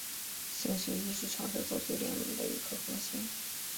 星宿一是长蛇座最亮的一颗恒星。